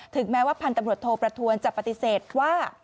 แม้ว่าพันธุ์ตำรวจโทประทวนจะปฏิเสธว่า